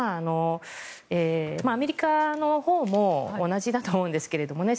アメリカのほうも同じだと思うんですけどね。